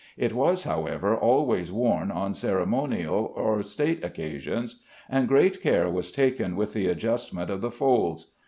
It was, however, always worn on ceremonial or state occasions, and great care was taken with the adjustment of the folds.